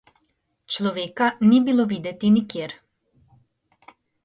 Človeka ni bilo videti nikjer!